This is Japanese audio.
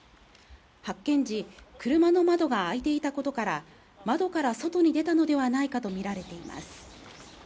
発見時、車の窓が開いていたことから窓から外に出たのではないかとみられています。